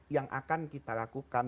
yang akan kita lakukan